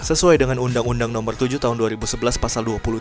sesuai dengan undang undang nomor tujuh tahun dua ribu sebelas pasal dua puluh tiga